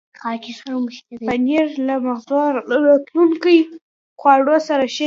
پنېر له مغز لرونکو خواړو سره ښه وي.